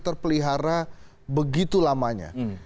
berpihara begitu lamanya